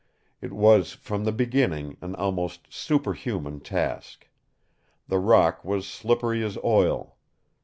It was, from the beginning, an almost superhuman task. The rock was slippery as oil.